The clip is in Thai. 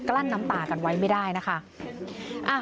ลั้นน้ำตากันไว้ไม่ได้นะคะ